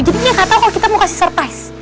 jadi dia gak tau kalo kita mau kasih surprise